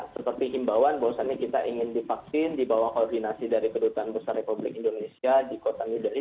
seperti himbauan bahwasannya kita ingin divaksin di bawah koordinasi dari kedutaan besar republik indonesia di kota new delhi